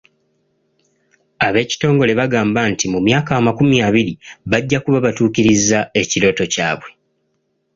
Ab'ekitongole baagamba nti mu myaka amakumi abiri bajja kuba batuukirizza ekirooto kyabwe.